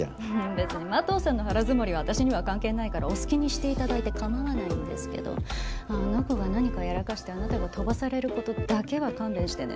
別に麻藤さんの腹積もりは私には関係ないからお好きにして頂いて構わないんですけどあの子が何かやらかしてあなたが飛ばされる事だけは勘弁してね。